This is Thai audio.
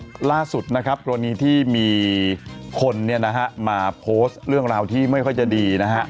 ก็ล่าสุดนะครับตัวนี้ที่มีคนมาโพสต์เรื่องราวที่ไม่ค่อยจะดีนะฮะ